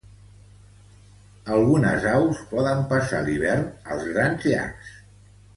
Algunes aus poden passar l'hivern als Grans Llacs.